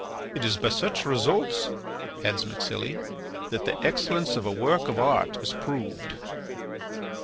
"It is by such results," adds MacSilly, "that the excellence of a work of art is proved."